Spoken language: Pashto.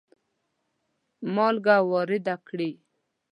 مالګه وارده کړي.